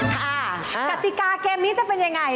กติกาเกมนี้จะเป็นยังไง